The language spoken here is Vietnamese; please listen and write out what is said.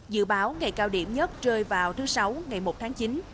dự báo ngày cao điểm nhất rơi vào thứ sáu ngày một tháng chín